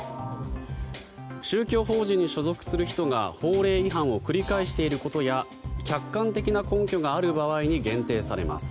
宗教法人に所属する人が法令違反を繰り返していることや客観的な根拠がある場合に限定されます。